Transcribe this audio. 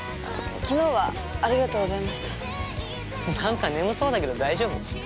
昨日はありがとうございました何か眠そうだけど大丈夫？